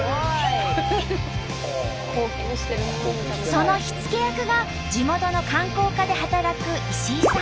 その火付け役が地元の観光課で働く石井さん。